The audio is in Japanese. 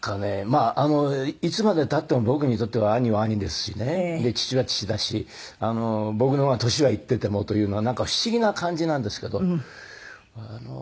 まああのいつまで経っても僕にとっては兄は兄ですしねで父は父だし僕の方が年はいっててもというのはなんか不思議な感じなんですけど。